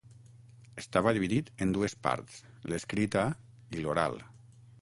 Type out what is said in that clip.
Estava dividit en dues parts: l'escrita i l'oral.